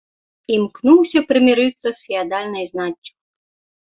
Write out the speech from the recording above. Імкнуўся прымірыцца з феадальнай знаццю.